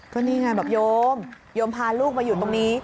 ก็นี่ไงบอกโยมโยมพาลูกมาอยู่ตรงนี้